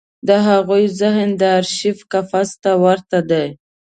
د هغوی ذهن د ارشیف قفس ته ورته دی.